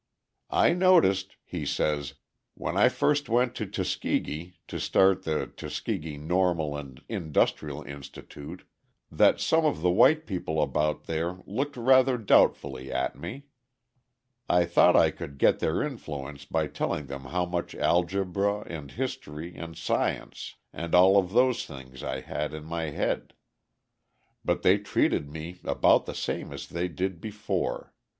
"I noticed," he says, "when I first went to Tuskegee to start the Tuskegee Normal and Industrial Institute, that some of the white people about there looked rather doubtfully at me. I thought I could get their influence by telling them how much algebra and history and science and all those things I had in my head, but they treated me about the same as they did before.